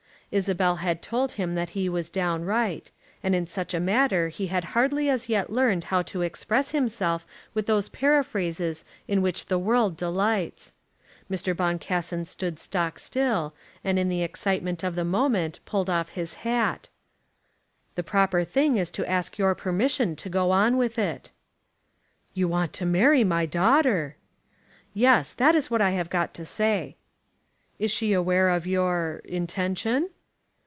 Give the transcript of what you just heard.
Isabel had told him that he was downright, and in such a matter he had hardly as yet learned how to express himself with those paraphrases in which the world delights. Mr. Boncassen stood stock still, and in the excitement of the moment pulled off his hat. "The proper thing is to ask your permission to go on with it." "You want to marry my daughter!" "Yes. That is what I have got to say." "Is she aware of your intention?"